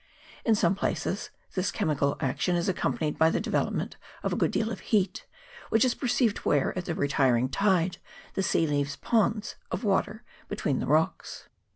In some places this chemical action is accompanied by the development of a good deal of heat, which is perceived where, at the retiring tide, the sea leaves ponds of water between the rocks.